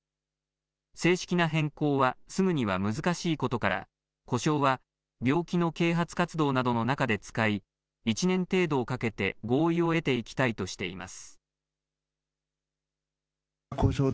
正式な変更はすぐには難しいことから、呼称は病気の啓発活動などの中で使い、１年程度をかけて、合意を得ていきたいとしています。